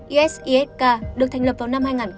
isisk được thành lập vào năm hai nghìn một mươi